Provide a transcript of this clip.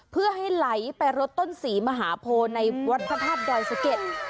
เพื่อให้ไหลไปรถต้นศรีมหาโพในวัดพระธาตุดอยสะเก็ด